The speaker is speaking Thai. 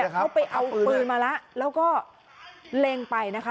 เขาไปเอาปืนมาแล้วแล้วก็เล็งไปนะคะ